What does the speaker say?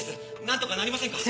何とかなりませんか？